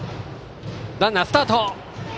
ランナースタート。